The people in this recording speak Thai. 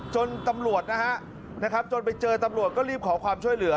จนตำรวจนะฮะจนไปเจอตำรวจก็รีบขอความช่วยเหลือ